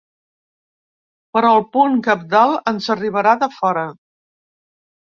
Però el punt cabdal ens arribarà de fora.